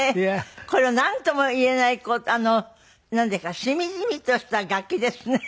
このなんともいえないなんていうかしみじみとした楽器ですね。